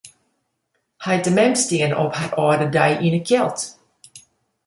Heit en mem steane op har âlde dei yn 'e kjeld.